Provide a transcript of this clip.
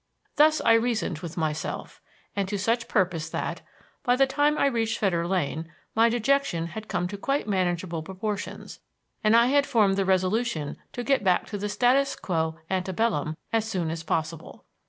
Thus I reasoned with myself, and to such purpose that, by the time I reached Fetter Lane, my dejection had come to quite manageable proportions and I had formed the resolution to get back to the status quo ante bellum as soon as possible.